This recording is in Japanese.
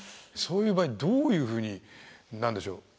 そういう場合どういうふうに何でしょう？